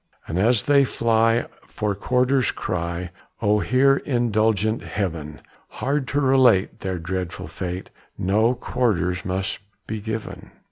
And as they fly, for quarters cry; Oh hear! indulgent Heav'n! Hard to relate their dreadful fate, No quarters must be given.